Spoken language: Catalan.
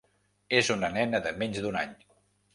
És una nena de menys d’un any.